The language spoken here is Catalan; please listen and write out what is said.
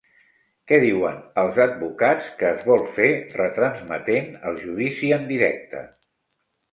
Què diuen els advocats que es vol fer retransmetent el judici en directe?